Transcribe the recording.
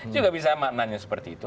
juga bisa maknanya seperti itu